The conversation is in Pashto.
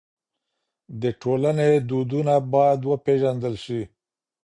د ټولني دودونه بايد وپېژندل سي.